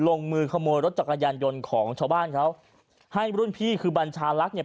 ลงมือขโมยรถจักรยานยนต์ของชาวบ้านเขาให้รุ่นพี่คือบัญชาลักษณ์เนี่ย